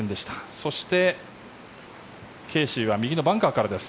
そして、ケーシーは右のバンカーからです。